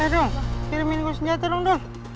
eh dong kirimin gue senja tolong dong